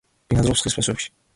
ბინადრობს ხის ფესვებში.